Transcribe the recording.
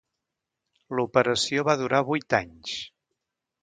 L'operació va durar vuit anys.